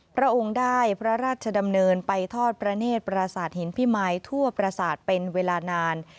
พระองค์ได้พระราชดำเนินไปทอดพระเนธปราสาทหินพิมายทั่วประสาทเป็นเวลานาน